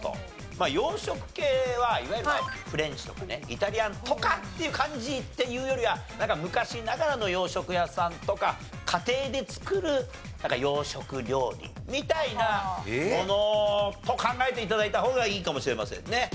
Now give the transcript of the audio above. まあ洋食系はいわゆるフレンチとかねイタリアンとかっていう感じっていうよりは昔ながらの洋食屋さんとか家庭で作る洋食料理みたいなものと考えて頂いた方がいいかもしれませんね。